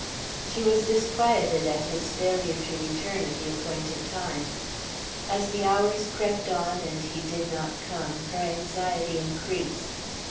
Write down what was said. She was disquieted at his failure to return at the appointed time. As the hours crept on and he did not come, her anxiety increased.